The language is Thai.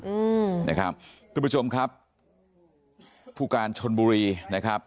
อืมนะครับทุกผู้ชมครับผู้การชนบุรีนะครับ